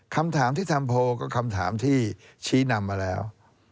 คำถามที่ทำโพลก็คำถามที่ชี้นำมาแล้ว